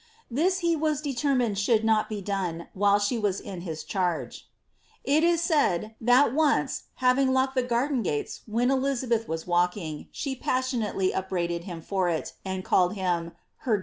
This he waa determined should not be done while she was in his charge. It is said, that once, having locked the garden gates when Elizabeth walking, she passionately upbraided him for it, and called him ^her > Holin»hed.